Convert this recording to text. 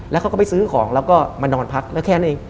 แล้วเขาก็ไปซื้อของแล้วก็มานอนพักแล้วแค่นั้นเอง